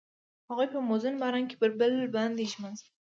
هغوی په موزون باران کې پر بل باندې ژمن شول.